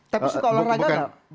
tapi suka olahraga gak